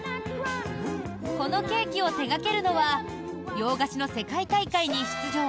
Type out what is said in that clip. このケーキを手掛けるのは洋菓子の世界大会に出場